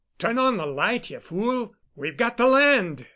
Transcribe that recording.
"Turn on the light you fool we've got to land!"